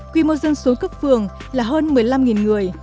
quy mô dân số cấp phường là hơn một mươi năm người